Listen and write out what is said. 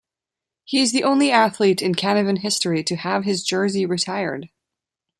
He is the only athlete in Canevin history to have his jersey retired.